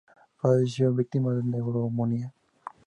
Falleció víctima de neumonía.